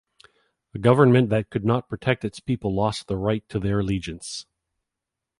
A government that could not protect its people lost the right to their allegiance.